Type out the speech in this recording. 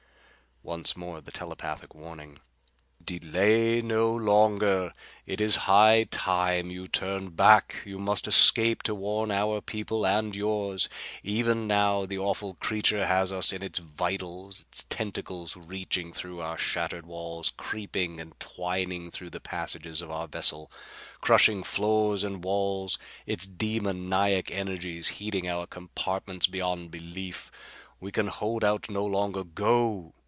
Once more came the telepathic warning, "Delay no longer. It is high time you turned back. You must escape to warn our people and yours. Even now the awful creature has us in its vitals, its tentacles reaching through our shattered walls, creeping and twining through the passages of our vessel. Crushing floors and walls, its demoniac energies heating our compartment beyond belief. We can hold out no longer. Go!